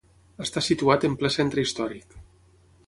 Està situat en ple centre històric.